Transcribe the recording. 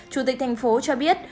chủ tịch tp hcm cho biết